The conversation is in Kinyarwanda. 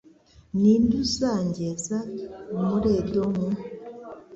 ni nde uzangeza muri Edomu?